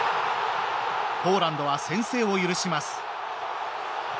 ポーランドは先制を許します。